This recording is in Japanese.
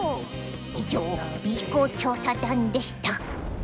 以上Ｂ公調査団でした。